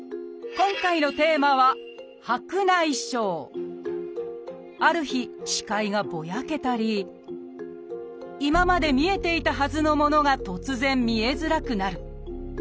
今回のテーマはある日視界がボヤけたり今まで見えていたはずのものが突然見えづらくなる。